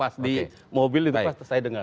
pas di mobil di depan saya dengar